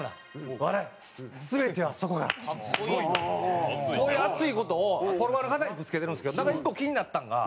こういう熱い事をフォロワーの方にぶつけてるんですけどなんか１個気になったのが。